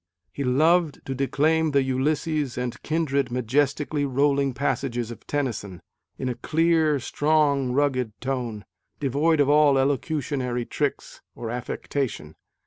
He loved to declaim the Ulysses and kindred majestically rolling passages of Tennyson, in a clear, strong, rugged tone, devoid of all elocutionary tricks or affectation.